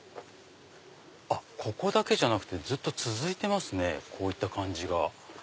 あっここだけじゃなくてずっと続いてますねこういった感じが。